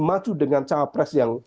maju dengan cawapres yang